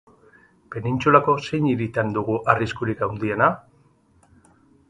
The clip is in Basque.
Penintsulako zein hiritan dugu arriskurik handiena?